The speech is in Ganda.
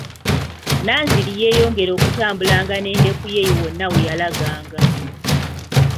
Nanziri yeeyongera okutambulanga n'endeku ye wonna we yalaganga.